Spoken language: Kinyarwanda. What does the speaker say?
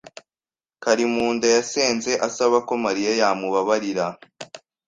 Karimunda yasenze asaba ko Mariya yamubabarira.